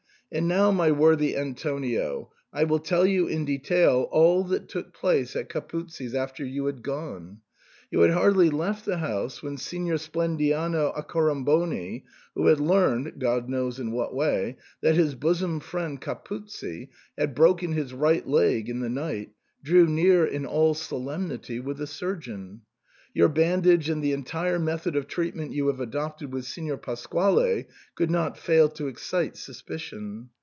And now, my worthy Antonio, I will tell you in detail all that took place at Capuzzi's after you had gone. You had hardly left the house when Signor Splendiano Accoramboni, who had learned — God knows in what way — that his bosom friend, Capuzzi, had broken his right leg in the night, drew near in all solemnity, with a surgeon. Your bandage and the entire method of treatment you have adopted with Signor Pasquale could not fail to excite suspicion.